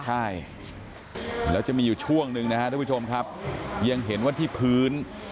ใช่แล้วจะมีอยู่ช่วงหนึ่งนะครับทุกผู้ชมครับยังเห็นว่าที่พื้น